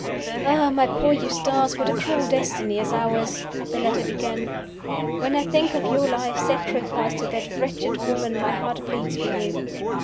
"Ah, my poor Eustace, what a cruel destiny is ours!" the letter began. "When I think of your life, sacrificed to that wretched woman, my heart bleeds for you.